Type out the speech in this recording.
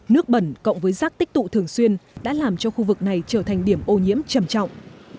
nước bẩn cộng với rác tích tụ thường xuyên đã làm cho khu vực này trở thành điểm ô nhiễm trầm trọng